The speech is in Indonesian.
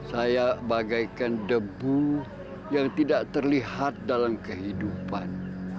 saya bagaikan debu yang tidak terlihat dalam kehidupan